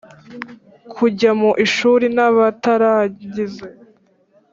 kujya mu ishuri n abataragize